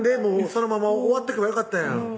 そのまま終わっとけばよかったやん